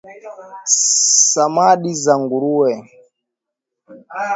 samadi za nguruwe